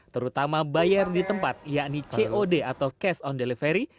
terutama bayar di tempat yakni cod atau cash on delivery